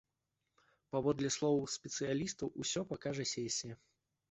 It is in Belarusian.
Паводле словаў спецыялістаў, усё пакажа сесія.